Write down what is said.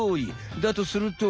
だとすると。